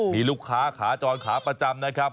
มีลูกค้าขาจรขาประจำนะครับ